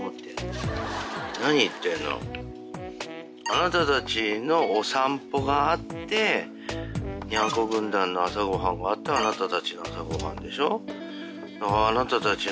あなたたちのお散歩があってニャンコ軍団の朝ご飯があってあなたたちの朝ご飯でしょ？